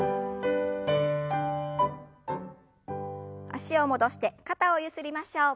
脚を戻して肩をゆすりましょう。